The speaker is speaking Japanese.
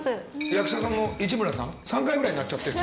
役者さんの市村さん、３回ぐらい鳴っちゃってる。